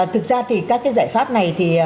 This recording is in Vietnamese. thực ra thì các giải pháp này